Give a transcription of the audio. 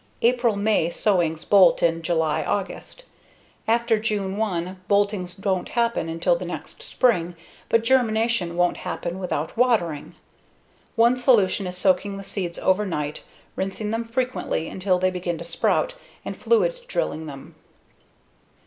April/May sowings bolt in July/August,: after June 1, bolting won't happen until the next spring, but germination won't happen without watering. One solution is soaking the seeds overnight, rinsing them frequently until they begin to sprout, and fluid drilling them.